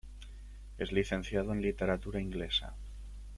Es licenciado en literatura inglesa.